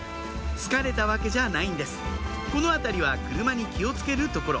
疲れたわけじゃないんです「この辺りは車に気を付けるところ」